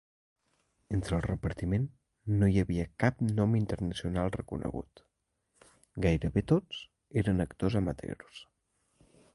Entre el repartiment no hi havia cap nom internacional reconegut; gairebé tots eren actors amateurs.